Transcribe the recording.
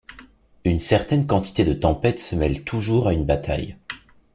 Une certaine quantité de tempête se mêle toujours à une bataille.